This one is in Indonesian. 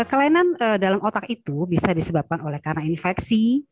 kelainan dalam otak itu bisa disebabkan oleh karena infeksi